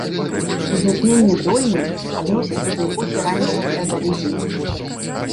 Узнікненне дойны адносіцца да эпохі ранняга феадалізму.